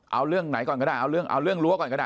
เอาเรื่องไหนก่อนก็ได้เอาเรื่องรั้วก่อนก็ได้